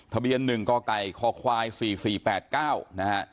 ทะเบียนหนึ่งกไก่คควายสี่สี่แปดเก้านะฮะ